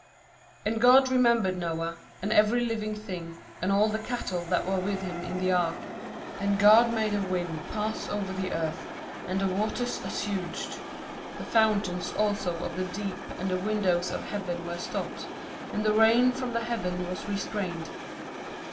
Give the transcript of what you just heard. Q And God remembered Noah, and every living thing, and all the cattle that were with him in the ark; and God made a wind to pass over the earth, and the waters assuaged; 2the fountains also of the deep and the windows of heaven were stopped, and the rain from heaven was restrained.